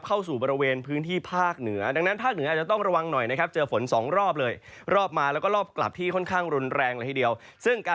เข้าสู่บรรเวณพื้นที่ภาคเหนือ